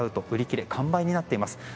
売り切れ、完売になっています。